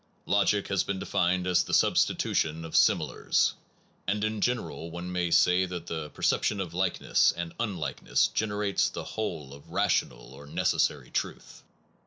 Logic has been defined as the substitution of similars ; and in general one may say that the perception of likeness and unlikeness generates the whole of ra tional or necessary truth.